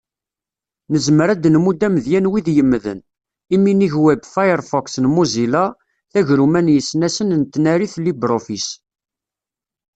Nezmer ad d-nmudd amedya n wid yemmden: Iminig Web Firefox n Mozilla, tagrumma n yisnasen n tnarit LibreOffice.